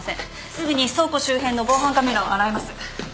すぐに倉庫周辺の防犯カメラを洗います。